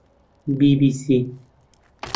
بی بی سی